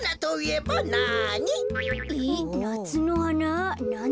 えなつのはな。